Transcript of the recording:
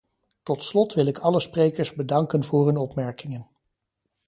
Tot slot wil ik alle sprekers bedanken voor hun opmerkingen.